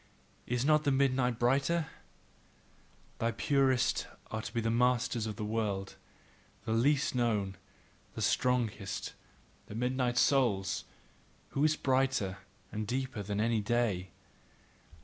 Is not the midnight brighter? The purest are to be masters of the world, the least known, the strongest, the midnight souls, who are brighter and deeper than any day.